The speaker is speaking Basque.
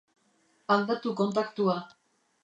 Aldatu kontaktua.